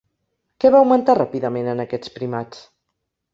Què va augmentar ràpidament en aquests primats?